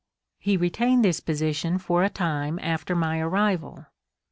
He retained this position for a time after my arrival.